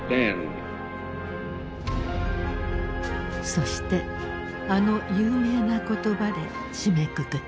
そしてあの有名な言葉で締めくくった。